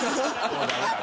もうダメだ。